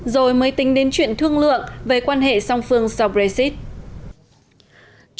rồi mới tính đến chuyện thương lượng về quan hệ song phương sau brexit